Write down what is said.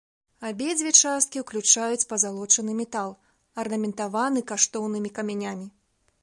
Абедзве часткі ўключаюць пазалочаны метал, арнаментаваны каштоўнымі камянямі.